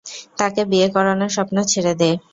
তাকে বিয়ে করানোর স্বপ্ন ছেড়ে দে।